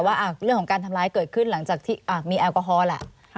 ว่าเรื่องของการทำร้ายเกิดขึ้นหลังจากที่มีแอลกอฮอล์แหละ